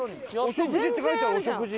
「お食事」って書いてる「お食事」。